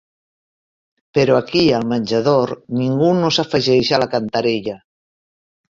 Però aquí al menjador ningú no s'afegeix a la cantarella.